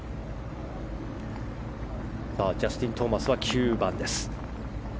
ジャスティン・トーマスは９番です。